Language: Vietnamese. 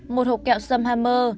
một hộp kẹo xâm hammer